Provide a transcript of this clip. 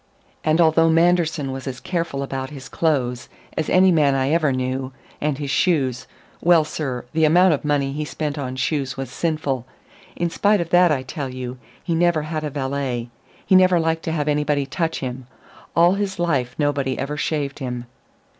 And although Manderson was as careful about his clothes as any man I ever knew, and his shoes well, sir, the amount of money he spent on shoes was sinful in spite of that, I tell you, he never had a valet. He never liked to have anybody touch him. All his life nobody ever shaved him."